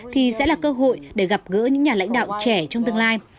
thì sẽ là cơ hội để gặp gỡ những nhà lãnh đạo trẻ trong tương lai